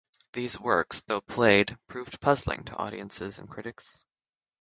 These works, though played, proved puzzling to audiences and critics.